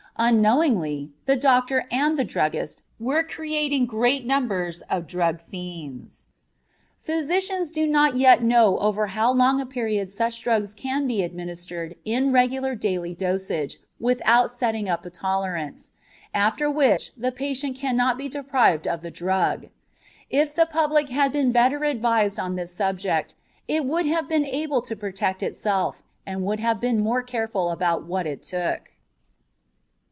Unknowingly, the doctor and the druggist were creating great numbers of drug fiends. Physicians do not yet know over how long a period such drugs can be administered in regular daily dosage without setting up a tolerance, after which the patient cannot be deprived of the drug. If the public had been better advised on this subject, it would have been able to protect itself, and would have been more careful about what it took.